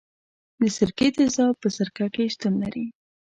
د سرکې تیزاب په سرکه کې شتون لري.